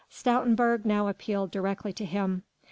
Stoutenburg now appealed directly to him.